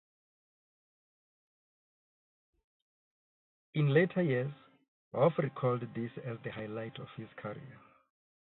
In later years, Hoff recalled this as the highlight of his career.